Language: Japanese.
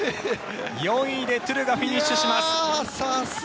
４位でトゥルがフィニッシュします。